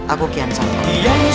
aku kian santang